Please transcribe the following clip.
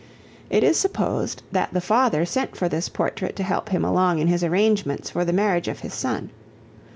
It is supposed that the father sent for this portrait to help him along in his arrangements for the marriage of his son.